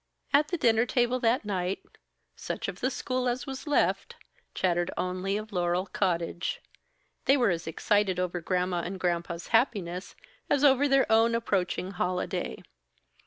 At the dinner table that night such of the school as was left chattered only of Laurel Cottage. They were as excited over Gramma and Granpa's happiness, as over their own approaching holiday.